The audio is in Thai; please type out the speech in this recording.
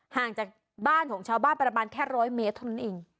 ห่างจากบ้านของชาวบ้านประมาณแค่๑๐๐เมตรเท่านั้นเอง